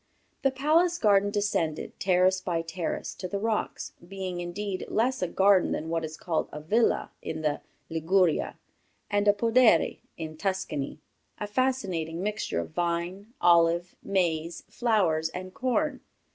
The palace garden descended, terrace by terrace, to the rocks, being, indeed, less a garden than what is called a villa in the Liguria, and a podere in Tuscany, a fascinating mixture of vine, olive, maize, flowers, and corn.